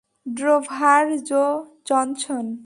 Drover Joe Johnson?